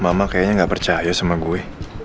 mama kayaknya nggak percaya sama gue